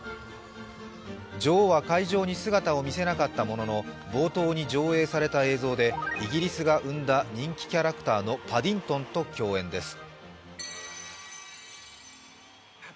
女王は会場に姿を見せなかったものの冒頭に上映された映像でイギリスが生んだ人気キャラクターのパディントンと共演です。